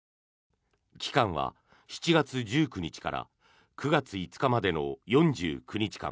期間は７月１９日から９月５日までの４９日間。